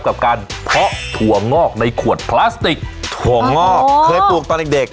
กับการเพาะถั่วงอกในขวดพลาสติกถั่วงอกเคยปลูกตอนเด็ก